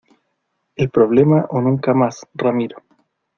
el problema o nunca mas, Ramiro.